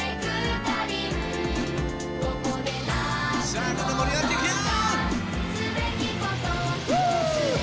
さあここ盛り上がっていくよ！